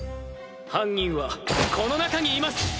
犯人はこの中にいます！